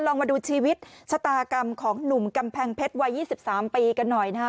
ลองมาดูชีวิตชะตากรรมของหนุ่มกำแพงเพชรวัย๒๓ปีกันหน่อยนะฮะ